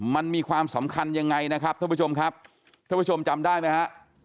มันมีความสำคัญยังไงนะครับท่านผู้ชมครับท่านผู้ชมจำได้ไหมฮะ